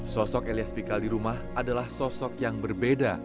sosok elias pikal di rumah adalah sosok yang berbeda